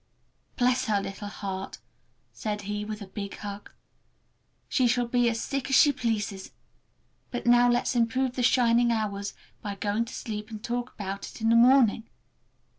"Bless her little heart!" said he with a big hug; "she shall be as sick as she pleases! But now let's improve the shining hours by going to sleep, and talk about it in the morning!"